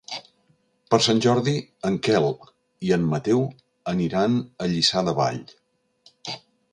Per Sant Jordi en Quel i en Mateu aniran a Lliçà de Vall.